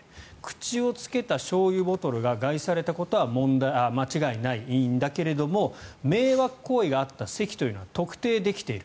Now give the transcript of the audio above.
口をつけたしょうゆボトルが害されたことは間違いないけれども迷惑行為があった席というのは特定できている。